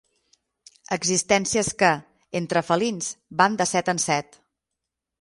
Existències que, entre felins, van de set en set.